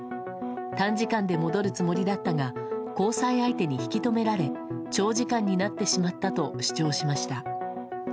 短時間で戻るつもりだったが交際相手に引き止められ長時間になってしまったと主張しました。